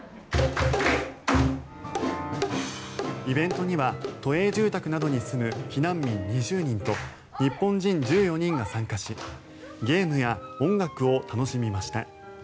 イベントには都営住宅などに住む避難民２０人と日本人１４人が参加しゲームや音楽を楽しみました。